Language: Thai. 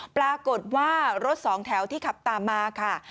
ปรากฏว่ารถสองแถวที่ขับตามมาค่ะ